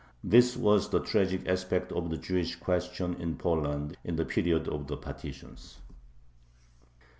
This was the tragic aspect of the Jewish question in Poland in the period of the partitions.